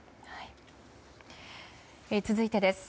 続いてです。